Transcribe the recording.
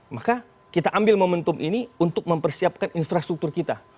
maka kita ambil momentum ini untuk mempersiapkan infrastruktur kita